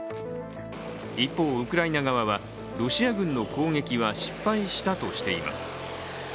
一方、ウクライナ側はロシア軍の攻撃は失敗したとしています。